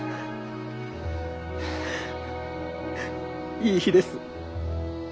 いい日です。